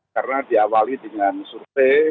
karena diawali dengan survei